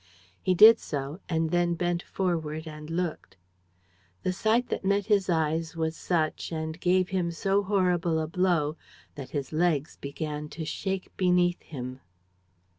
He did so and then bent forward and looked. The sight that met his eyes was such and gave him so horrible a blow that his legs began to shake beneath him.